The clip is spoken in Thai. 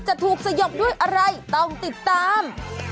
จะถูกสยบด้วยอะไรต้องติดตาม